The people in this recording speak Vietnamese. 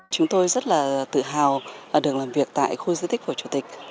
chúng tôi rất là tự hào được làm việc tại khu di tích của chủ tịch